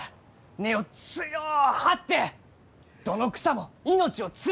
根を強う張ってどの草も命をつないでいく！